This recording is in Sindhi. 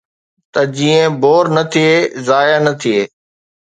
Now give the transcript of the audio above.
ته جيئن بور نه ٿئي، ضايع نه ٿئي.